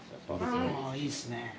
あぁいいですね。